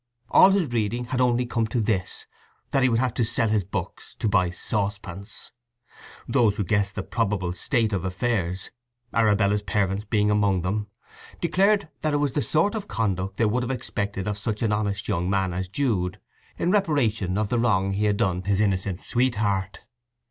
All his reading had only come to this, that he would have to sell his books to buy saucepans. Those who guessed the probable state of affairs, Arabella's parents being among them, declared that it was the sort of conduct they would have expected of such an honest young man as Jude in reparation of the wrong he had done his innocent sweetheart.